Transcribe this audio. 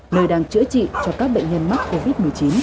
nơi đang chữa trị cho các bệnh nhân mắc covid một mươi chín